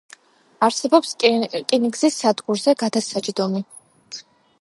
არსებობს რკინიგზის სადგურზე გადასაჯდომი.